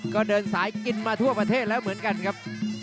ก็เดินสายกินมาทั่วประเทศแล้วเหมือนกันครับ